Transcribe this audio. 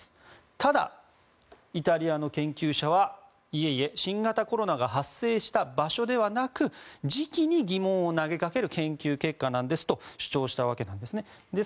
ただ、イタリアの研究者はいえいえ、新型コロナが発生した場所ではなく時期に疑問を投げかける研究結果なんですと主張したわけです。